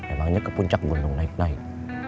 emangnya ke puncak gunung naik naik